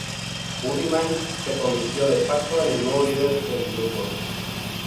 Buddy Miles, se convirtió "de facto" en el nuevo líder del grupo.